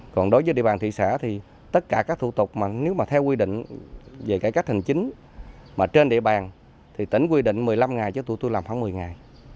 còn đối với địa bàn thị xã thì tất cả các thủ tục mà nếu mà theo quy định về cải cách hành chính mà trên địa bàn thì tỉnh quy định một mươi năm ngày chứ tụi tôi làm khoảng một mươi ngày